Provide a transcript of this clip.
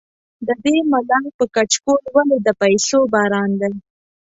ددې ملنګ په کچکول ولې د پیسو باران دی.